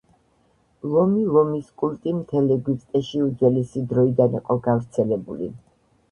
ლომი – ლომის კულტი მთელ ეგვიპტეში უძველესი დროიდან იყო გავრცელებული.